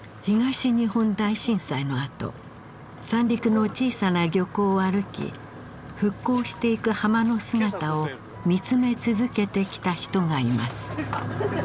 東日本大震災のあと三陸の小さな漁港を歩き復興していく浜の姿を見つめ続けてきた人がいます。